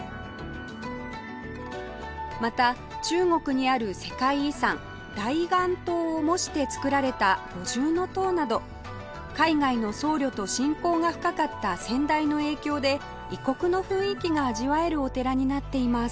また中国にある世界遺産大雁塔を模して造られた五重塔など海外の僧侶と親交が深かった先代の影響で異国の雰囲気が味わえるお寺になっています